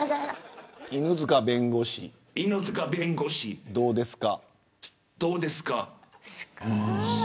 犬塚弁護士、どうですか。